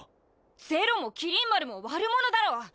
是露も麒麟丸も悪者だろ！？